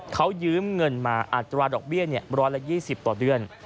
เขายืมเงินมาอัตราดอกเบี้ย๑๒๐ต่อเดือน